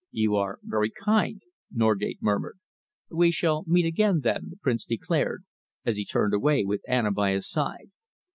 "You are very kind," Norgate murmured. "We shall meet again, then," the Prince declared, as he turned away with Anna by his side.